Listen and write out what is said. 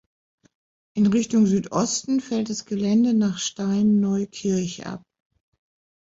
In Richtung Südosten fällt das Gelände nach Stein-Neukirch ab.